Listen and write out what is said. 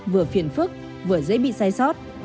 vừa phiền phức vừa dễ bị sai sót